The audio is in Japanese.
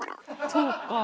そうか。